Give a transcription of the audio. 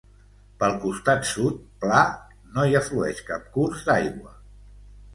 Pel costat sud, pla, no hi aflueix cap curs d'aigua.